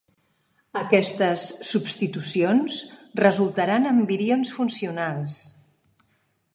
Aquestes substitucions resultaran en virions funcionals.